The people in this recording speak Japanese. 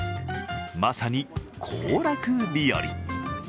まさに行楽日より。